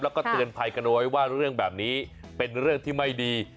แล้วก็เตือนภัยกันเอาไว้ว่าเรื่องแบบนี้เป็นเรื่องที่ไม่ดี